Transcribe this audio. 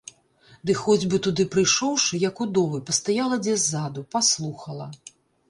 Ды хоць бы, туды прыйшоўшы, як удовы, пастаяла дзе ззаду, паслухала.